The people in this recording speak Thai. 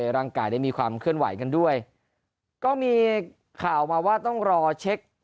ร่างกายได้มีความเคลื่อนไหวกันด้วยก็มีข่าวมาว่าต้องรอเช็ค